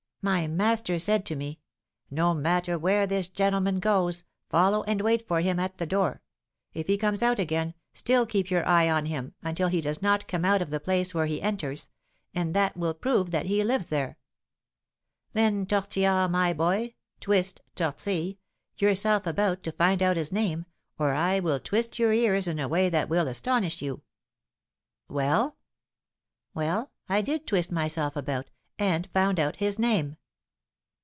My master said to me, 'No matter where this gentleman goes, follow and wait for him at the door. If he comes out again, still keep your eye on him, until he does not come out of the place where he enters, and that will prove that he lives there. Then Tortillard, my boy, twist (tortille) yourself about to find out his name, or I will twist your ears in a way that will astonish you.'" "Well?" "Well, I did twist myself about, and found out his name."